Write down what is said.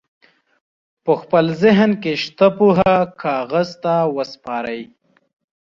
په خپل ذهن کې شته پوهه کاغذ ته وسپارئ.